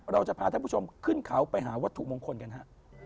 เราจะพาท่านผู้ชมขึ้นเขาไปหาวัตถุมงคลกันฮะ